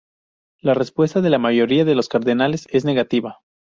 La respuesta de la mayoría de los cardenales es negativa.